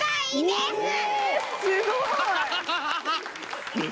すごい。